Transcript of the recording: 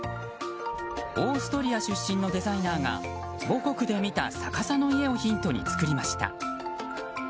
オーストリア出身のデザイナーが母国で見た逆さの家をヒントに作りました。